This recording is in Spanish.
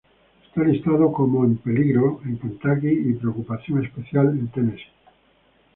Está listado como "En peligro" en Kentucky y "Preocupación especial" en Tennessee.